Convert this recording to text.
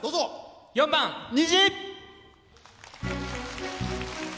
４番「虹」。